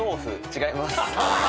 違います。